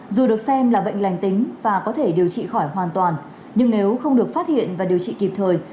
dù được xem là bệnh lành tính và có thể điều trị khỏi hoàn toàn nhưng nếu không được phát hiện và điều trị kịp thời